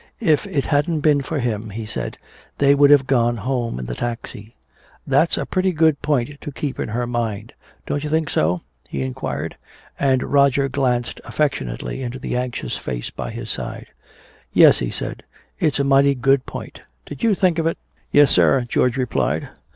If it hadn't been for him, he said, they would have gone home in the taxi. That's a pretty good point to keep in her mind. Don't you think so?" he inquired. And Roger glanced affectionately into the anxious face by his side. "Yes," he said, "it's a mighty good point. Did you think of it?" "Yes, sir," George replied.